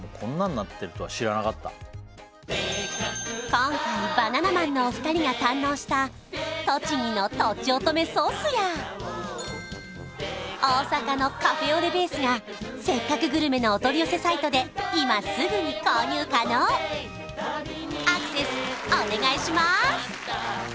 今回バナナマンのお二人が堪能した栃木のとちおとめソースや大阪のカフェオレベースが「せっかくグルメ！！」のお取り寄せサイトで今すぐに購入可能アクセスお願いします！